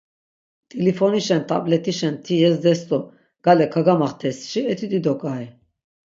T̆ilifonişen, t̆abletişen ti yezdes do gale kagamaxtesşi eti dido ǩai!